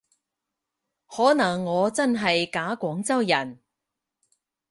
可能我真係假廣州人